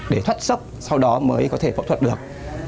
để thoát sốc sau đó mới có thể phẫu thuật được